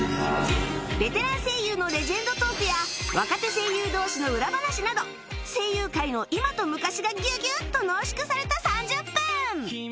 ベテラン声優のレジェンドトークや若手声優同士の裏話など声優界の今と昔がギュギュッと濃縮された３０分！